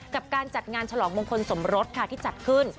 กับการจัดงานฉลองมงคลสมรสค่ะที่จัดขึ้น